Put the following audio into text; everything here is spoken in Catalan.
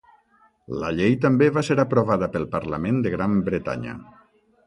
La llei també va ser aprovada pel parlament de Gran Bretanya.